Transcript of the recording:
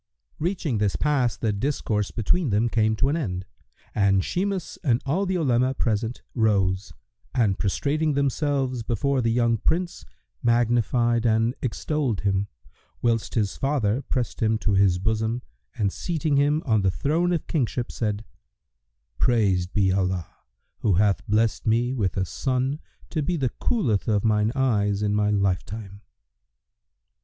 Reaching this pass the discourse between them came to an end, and Shimas and all the Olema present rose and prostrating themselves before the young Prince, magnified and extolled him, whilst his father pressed him to his bosom and seating him on the throne of kingship, said, "Praised be Allah who hath blessed me with a son to be the coolth of mine eyes in my lifetime!"